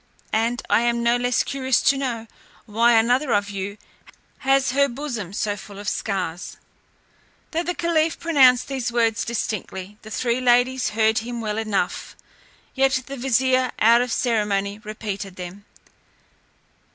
And I am no less curious to know, why another of you has her bosom so full of scars." Though the caliph pronounced these words very distinctly, the three ladies heard him well enough, yet the vizier out of ceremony, repeated them.